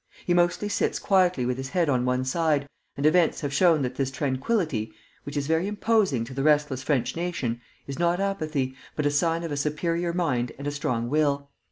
He mostly sits quietly with his head on one side, and events have shown that this tranquillity, which is very imposing to the restless French nation, is not apathy, but a sign of a superior mind and a strong will.